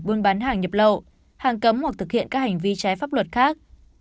buôn bán hàng nhập lậu hàng cấm hoặc thực hiện các hành vi trái pháp luật khác